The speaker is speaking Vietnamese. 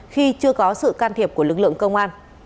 khi chưa có sự can thiệp của lực lượng công an